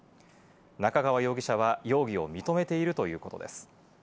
中川容疑者は容疑を認めているということです。